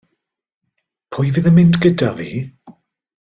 Pwy fydd yn mynd gyda fi?